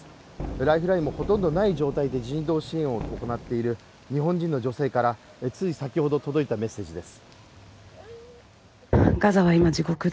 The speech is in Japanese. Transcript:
ライフラインにもほとんどない状態で人道支援を行っている日本人の女性からつい先ほど届いたメッセージです